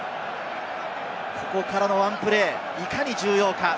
ここからのワンプレー、いかに重要か。